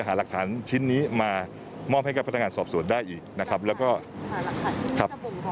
หลักฐานชิ้นนี้จะบ่งบอกอะไรค่ะ